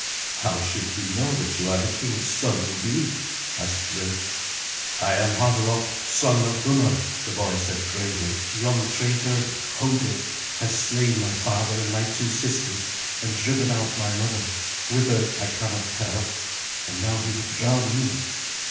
"How should we know that you are the king's son indeed?" asked Grim. "I am Havelok, son of Gunnar," the boy said gravely. "Yon traitor, Hodulf, has slain my father, and my two sisters, and driven out my mother, whither I cannot tell, and now he would drown me."